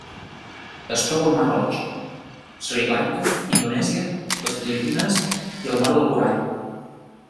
Es troba al Mar Roig, Sri Lanka, Indonèsia, les Filipines i el Mar del Corall.